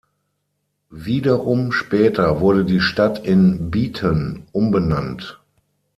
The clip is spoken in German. Wiederum später wurde die Stadt in Beeton umbenannt.